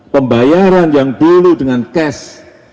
pembayaran yang dulu dengan cash